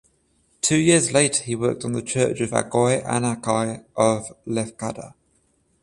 Two years later he worked on the church of Agioi Anargyroi of Lefkada.